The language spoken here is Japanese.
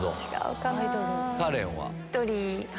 カレンは？